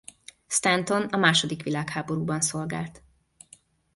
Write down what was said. Stanton a második világháborúban szolgált.